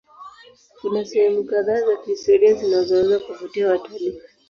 Kuna sehemu kadhaa za kihistoria zinazoweza kuvutia watalii.